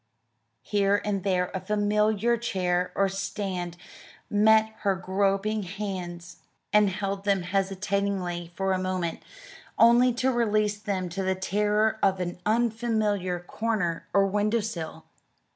Here and there a familiar chair or stand met her groping hands and held them hesitatingly for a moment, only to release them to the terror of an unfamiliar corner or window sill.